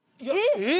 えっ？